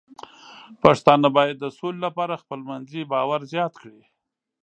پښتانه بايد د سولې لپاره خپلمنځي باور زیات کړي.